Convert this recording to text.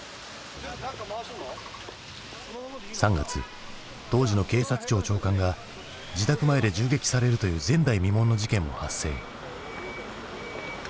３月当時の警察庁長官が自宅前で銃撃されるという前代未聞の事件も発生。